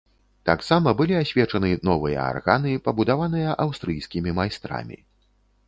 Таксама былі асвечаны новыя арганы, пабудаваныя аўстрыйскімі майстрамі.